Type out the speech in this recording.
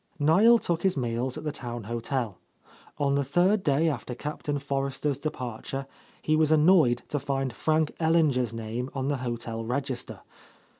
Niel took his meals at the town hotel ; on the third day after Captain Forrester's departure, he was annoyed to find Frank Ellinger's name on the hotel register.